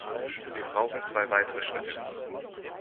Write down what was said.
Wir brauchen zwei weitere Schritte.